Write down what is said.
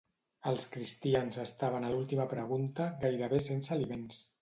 Els cristians estaven a l'última pregunta, gairebé sense aliments.